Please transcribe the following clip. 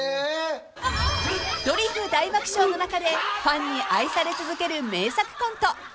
［『ドリフ大爆笑』の中でファンに愛され続ける］